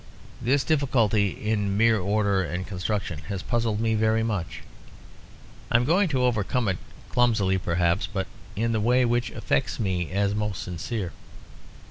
This difficulty in mere order and construction has puzzled me very much. I am going to overcome it, clumsily perhaps, but in the way which affects me as most sincere.